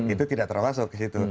itu tidak termasuk ke situ